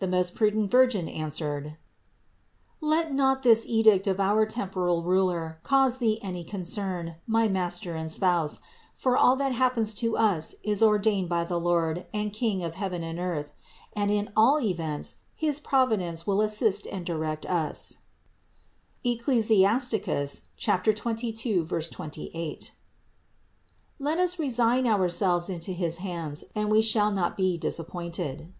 The most prudent Virgin answered: "Let not this edict of our temporal ruler cause thee any concern, my master and spouse, for all that happens to us is ordained by the Lord and King of heaven and earth; and in all events his Providence will assist and direct us (Eccli. 22, 28). Let us resign ourselves into his hands and we shall not be disappointed."